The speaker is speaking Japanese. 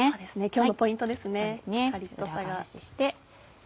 今日のポイントですね。